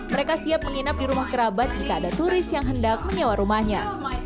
mereka siap menginap di rumah kerabat jika ada turis yang hendak menyewa rumahnya